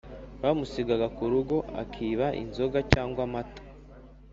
bamusigaga ku rugo akiba inzoga cyangwa amata,